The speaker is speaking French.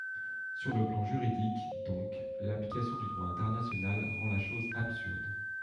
Sur le plan juridique, donc, l’application du droit international rend la chose absurde.